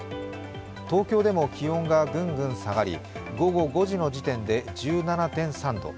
東京でも気温がぐんぐん下がり、午後５時の時点で１７．３度。